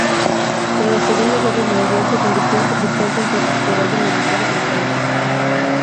Tras la Segunda Guerra Mundial se convirtió en capital de un protectorado militar británico.